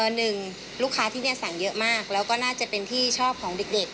หนึ่งลูกค้าที่นี่สั่งเยอะมากแล้วก็น่าจะเป็นที่ชอบของเด็ก